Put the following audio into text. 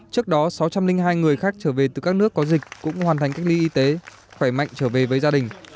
trước đó sáu trăm linh hai người khách trở về từ các nước có dịch cũng hoàn thành cách ly y tế khỏe mạnh trở về với gia đình